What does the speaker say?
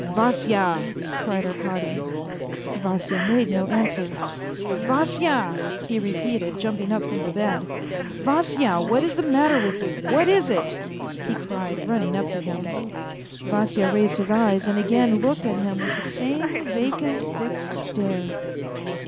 " Vasya 1 " cried Arkady. Vasya made no answer. " Vasya !" he repeated, jumping up from the bed, " Vasya, what is the matter with you ? What is it ?" he cried, running up to him. Vasya raised his eyes and again looked at him with the same vacant, fixed stare.